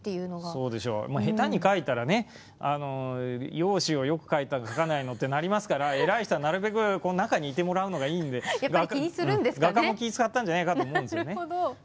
そうでしょ、下手に描いたらね容姿をよく描いたの描かないのってなりますから偉い人は、なるべく中にいてもらうのがいいんで画家も気遣ったんじゃないかと思うんですよね。